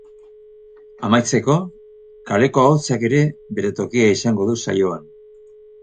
Amaitzeko, kaleko ahotsak ere bere tokia izango du saioan.